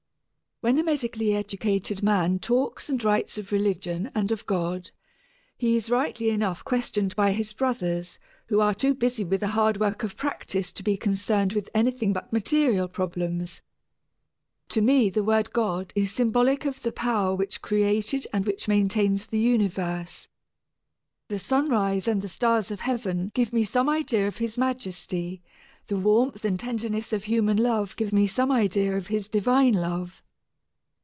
When a medically educated man talks and writes of religion and of God, he is rightly enough questioned by his brothers who are too busy with the hard work of practice to be concerned with anything but material problems. To me the word "God" is symbolic of the power which created and which maintains the universe. The sunrise and the stars of heaven give me some idea of his majesty, the warmth and tenderness of human love give me some idea of his divine love.